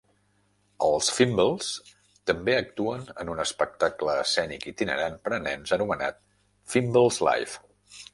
Els Fimbles també actuen en un espectacle escènic itinerant per a nens anomenat Fimbles Live!